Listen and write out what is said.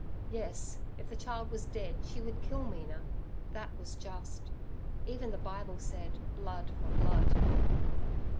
Yes, if the child was dead she would kill Mina; that was just. Even the Bible said, 'Blood for blood.'